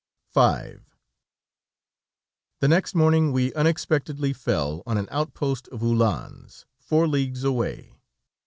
V The next morning we unexpectedly fell on an outpost of uhlans four leagues away.